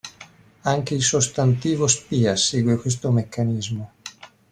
Anche il sostantivo "spia" segue questo meccanismo.